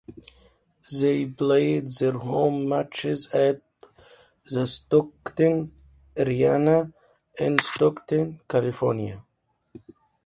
They played their home matches at the Stockton Arena in Stockton, California.